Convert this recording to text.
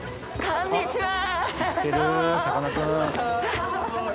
こんにちは。